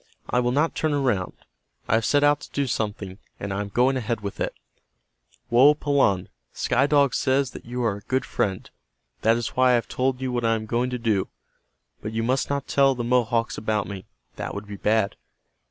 I will not turn around. I have set out to do something, and I am going ahead with it. Woapalanne, Sky Dog says that you are a good friend. That is why I have told you what I am going to do. But you must not tell the Mohawks about me. That would be bad.